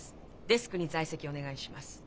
デスクに在席お願いします。